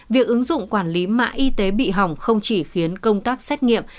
việc ứng dụng quản lý mạng y tế bị hỏng không chỉ khiến công tác xét nghiệm